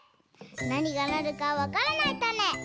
なにがなるかわからないたね！